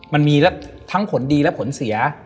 มันมีทั้งผลดีและผลเสีย